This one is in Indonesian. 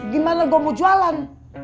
gimana gue mau jualan